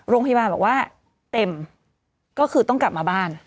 โรงพยาบาลบอกว่าเต็มก็คือต้องกลับมาบ้าน